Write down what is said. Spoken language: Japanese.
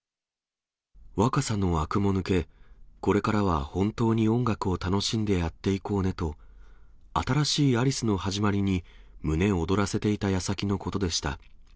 若さのあくも抜け、これからは本当に音楽を楽しんでやっていこうねと、新しいアリスの始まりに胸躍らせていたやさきのことでした。